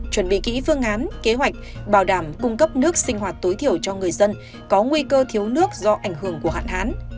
chuẩn bị kỹ phương án kế hoạch bảo đảm cung cấp nước sinh hoạt tối thiểu cho người dân có nguy cơ thiếu nước do ảnh hưởng của hạn hán